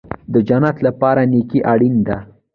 د جنت لپاره نیکي اړین ده